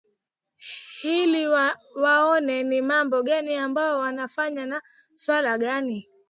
ili waone ni mambo gani ambayo watafanya na ni swala gani